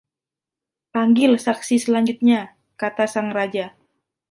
‘Panggil saksi selanjutnya!’ kata sang Raja.